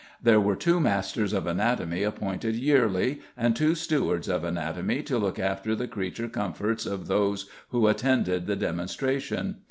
There were two masters of anatomy appointed yearly, and two stewards of anatomy to look after the creature comforts of those who attended the demonstration.